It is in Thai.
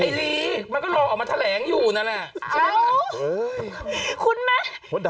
ไอลีมันก็รอออกมาแถลงอยู่นั่นแหละคุ้นไหม